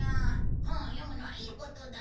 本を読むのはいいことだ。